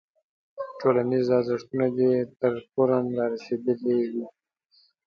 ټولنیز ارزښتونه دې تر فورم رارسېدلی وي.